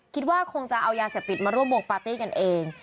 คิดว่าคงจะเอายาเสพติดมาร่วมวงปาร์ตี้กันเอง